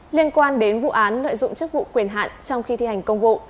liên quan đến vụ án lợi dụng chức vụ quyền hạn trong khi thi hành công vụ